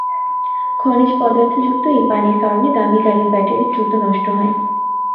খনিজ পদার্থযুক্ত এই পানির কারণে দামি গাড়ির ব্যাটারি দ্রুত নষ্ট হয়।